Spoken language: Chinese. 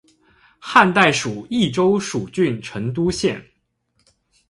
汉代属益州蜀郡成都县。